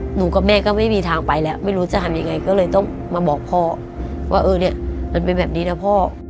หนูกับแม่ก็ไม่มีทางไปแล้วไม่รู้จะทำยังไงก็เลยต้องมาบอกพ่อว่าเออเนี่ยมันเป็นแบบนี้นะพ่อ